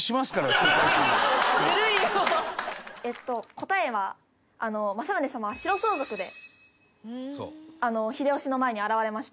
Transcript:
答えは政宗様は白装束で秀吉の前に現れました。